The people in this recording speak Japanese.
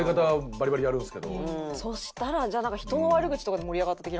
そしたらじゃあ人の悪口とかで盛り上がった的な感じですかね？